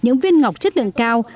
những viên ngọc chất lượng cao